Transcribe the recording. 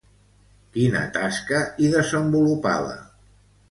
Quina tasca hi desenvolupava?